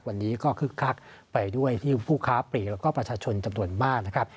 วันนี้ก็คึกคักไปด้วยที่ผู้ค้าปลีกแล้วก็ประชาชนจำนวนมากนะครับ